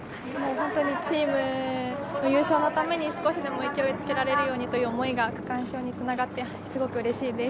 本当にチームの優勝のために少しでも勢いつけれるためにという思いが区間賞につながって、すごくうれしいです。